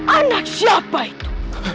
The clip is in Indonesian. anak siapa itu